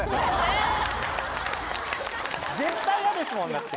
絶対嫌ですもんだって。